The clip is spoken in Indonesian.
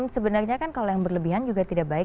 sebenarnya kan kalau yang berlebihan juga tidak baik